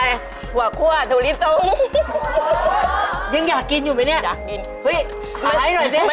ยาทำไมล่ะ